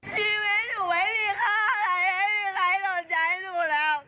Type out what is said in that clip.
ดีไหมหนูไม่มีค่าอะไรไม่มีใครต้องใจหนูแล้ว